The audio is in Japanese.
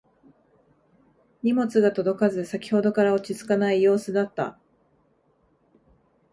荷物が届かず先ほどから落ち着かない様子だった